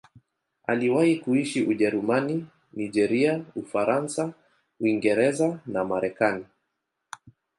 Aliwahi kuishi Ujerumani, Nigeria, Ufaransa, Uingereza na Marekani.